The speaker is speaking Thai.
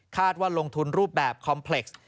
ว่าลงทุนรูปแบบคอมเพล็กซ์